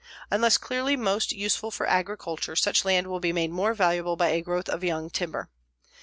Unless clearly most useful for agriculture, such land will be made more valuable by a growth of young timber.